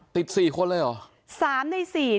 ติด๔คนเลยหรอ